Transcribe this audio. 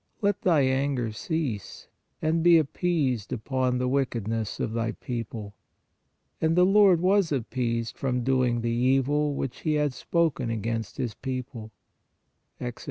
... Let Thy anger cease, and be appeased upon the wicked ness of Thy people. ... And the Lord was ap peased from doing the evil which He had spoken against His people" (Exod.